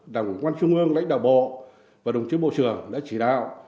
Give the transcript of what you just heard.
đảng ủy công an trung ương lãnh đạo bộ và đồng chí bộ trưởng đã chỉ đạo